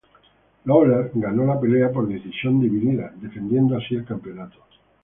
Lawler ganó la pelea por decisión dividida, defendiendo así el campeonato.